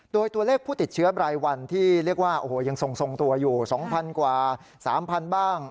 โดยตัวเลขผู้ติดเชื้อรายวันที่เรียกว่าโอ้โหยังทรงตัวอยู่๒๐๐๐กว่า๓๐๐๐บ้าง